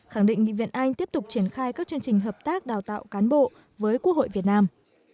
khẳng định nghị viện anh tiếp tục triển khai các chương trình hợp tác đào tạo cán bộ với quốc hội việt nam